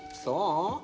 そう？